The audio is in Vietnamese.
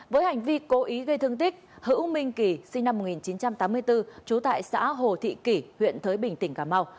với hành vi cố ý gây thương tích hữu minh kỳ sinh năm một nghìn chín trăm tám mươi bốn trú tại xã hồ thị kỷ huyện thới bình tỉnh cà mau